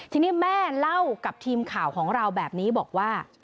ทีนี้แม่เล่ากับทีมข่าวของเราแบบนี้บอกว่า